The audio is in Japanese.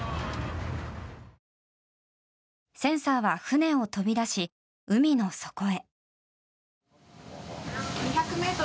センサーを船を飛び出し海の底へ。